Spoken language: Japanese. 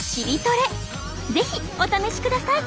是非お試しください！